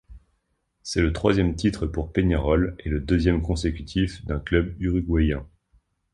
C'est le troisième titre pour Peñarol et le deuxième consécutif d'un club uruguayen.